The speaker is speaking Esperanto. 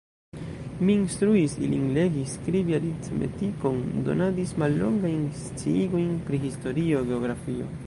Mi instruis ilin legi, skribi, aritmetikon, donadis mallongajn sciigojn pri historio, geografio.